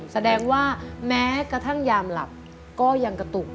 แสดงว่าแม้กระทั่งยามหลับก็ยังกระตุก